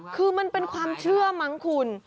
คือมันเป็นความเชื่อมั้งคุณ